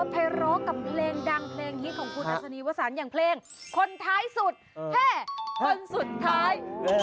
ไปร้องกับเพลงดังเพลงฮิตของคุณอัศนีวสันอย่างเพลงคนท้ายสุดแค่คนสุดท้าย